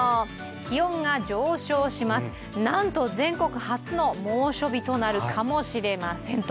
気温が上昇します、なんと全国初の猛暑日となるかもしれませんと。